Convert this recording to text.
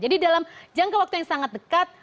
jadi dalam jangka waktu yang sangat dekat